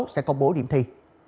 sẽ công bố điểm thi